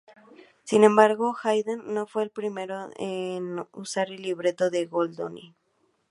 Sin embargo, Haydn no fue el primero en usar el libreto de Goldoni.